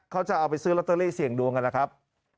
เขาจะเอาไปซื้อลอตเตอรี่เสี่ยงดวงกันนะครับ